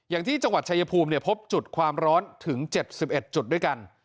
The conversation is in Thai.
อย่างที่จังหวัดชายภูมิพบจุดความร้อนถึง๗๑จุดด้วยกัน